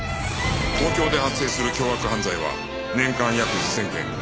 東京で発生する凶悪犯罪は年間約１０００件